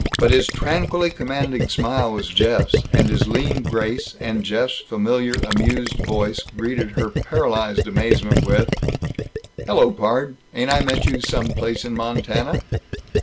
But his tranquilly commanding smile was Jeff's, and his lean grace; and Jeff's familiar amused voice greeted her paralyzed amazement with: "Hello, pard! Ain't I met you some place in Montana?"